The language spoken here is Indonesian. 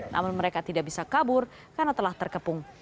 namun mereka tidak bisa kabur karena telah terkepung